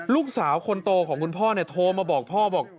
ลูกสาวคนโตของคุณพ่อโทรมาบอกพ่อบอก